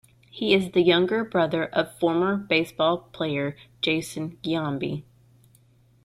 He is the younger brother of former baseball player Jason Giambi.